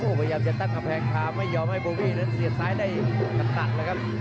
โอ้พยายามจะตั้งค่าแพงค่าไม่ยอมให้โบวี่นั้นเสียดซ้ายได้กระตัดแล้วครับ